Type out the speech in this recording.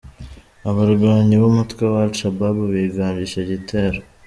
Abarwanyi b’umutwe wa Al Shabaab bigambye icyo gitero.